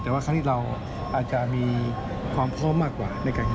แต่ว่าครั้งนี้เราอาจจะมีความพอบทมากกว่าในการแข่งขาด